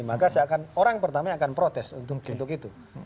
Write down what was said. maka orang yang pertama akan protes untuk itu